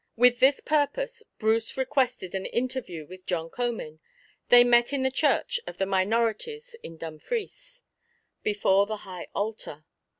With this purpose, Bruce requested an interview with John Comyn. They met in the Church of the Minorites in Dunfries, before the high altar.